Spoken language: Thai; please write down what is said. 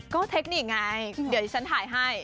ก็เทคนิคไงเดี๋ยวที่ฉันถ่ายให้